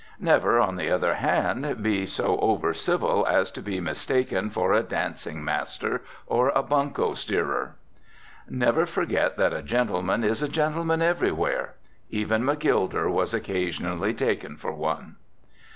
Never, on the other hand, be so over civil as to be mistaken for a dancing master or a bunco steerer. Never forget that a gentleman is a gentleman everywhere. Even McGilder was occasionally taken for one.